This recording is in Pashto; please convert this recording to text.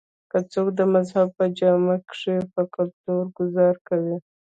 کۀ څوک د مذهب پۀ جامه کښې پۀ کلتور ګذار کوي